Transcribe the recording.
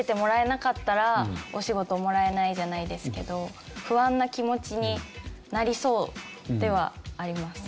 お仕事もらえないじゃないですけど不安な気持ちになりそうではあります。